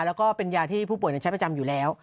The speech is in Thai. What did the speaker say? แล้วก็เป็นยาที่ผู้ป่วยใช้ประจำอยู่แล้ว